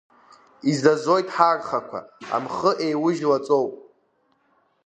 Изазоит ҳархақәа, амхы еиужь лаҵоуп.